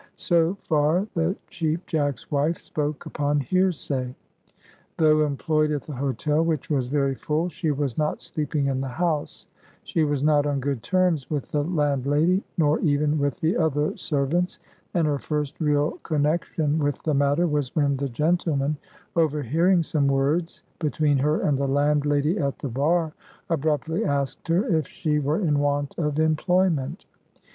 So far the Cheap Jack's wife spoke upon hearsay. Though employed at the hotel, which was very full, she was not sleeping in the house; she was not on good terms with the landlady, nor even with the other servants, and her first real connection with the matter was when the gentleman, overhearing some "words" between her and the landlady at the bar, abruptly asked her if she were in want of employment.